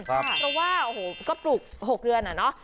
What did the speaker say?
เพราะว่าโอ้โหก็ปลูก๖เดือนอะเนาะ